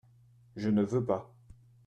Je ne veux pas.